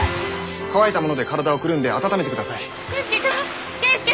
乾いたもので体をくるんで温めてください。